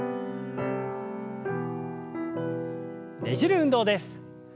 ねじる運動です。